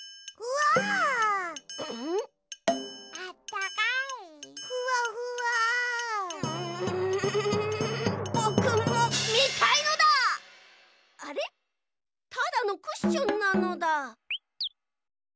ただのクッションなのだ。